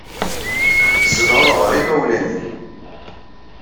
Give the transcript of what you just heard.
Tzedɣeḍ ɣer yimawlan-nnem.